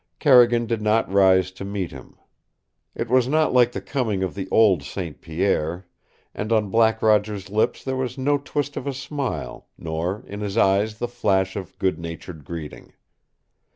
Carrigan did not rise to meet him. It was not like the coming of the old St. Pierre, and on Black Roger's lips there was no twist of a smile, nor in his eyes the flash of good natured greeting.